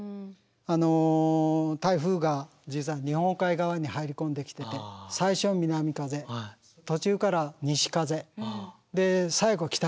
あの台風が実は日本海側に入り込んできてて最初は南風途中から西風で最後北風。